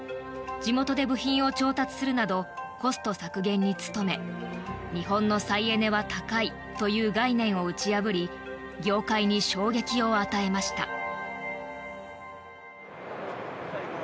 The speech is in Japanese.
地元で部品を調達するなどコスト削減に努め日本の再エネは高いという概念を打ち破り業界に衝撃を与えました。